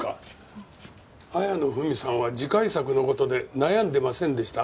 綾野文さんは次回作の事で悩んでませんでした？